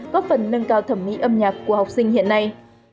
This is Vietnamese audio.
góp phần nâng cao thẩm mỹ âm nhạc của học sinh hiện nay